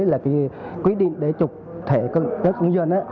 là quy định để chụp thể các công dân